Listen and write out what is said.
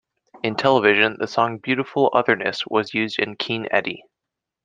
In television, the song "Beautiful Otherness" was used in Keen Eddie.